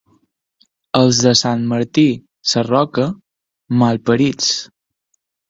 Els de Sant Martí Sarroca, malparits.